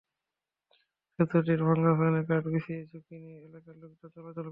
সেতুটির ভাঙা স্থানে কাঠ বিছিয়ে ঝুঁকি নিয়ে এলাকার লোকজন চলাচল করছেন।